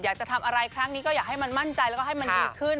อยากจะทำอะไรครั้งนี้ก็อยากให้มันมั่นใจแล้วก็ให้มันดีขึ้น